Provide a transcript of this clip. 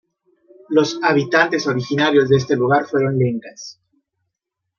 Los habitantes originarios de este lugar fueron Lencas.